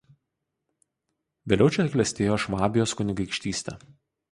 Vėliau čia klestėjo Švabijos kunigaikštystė.